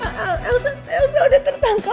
mak tvsa elsa udah tertangka